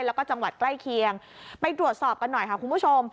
แล้วก็จังหวัดใกล้เคียงไปตรวจสอบกันหน่อยค่ะคุณผู้ชม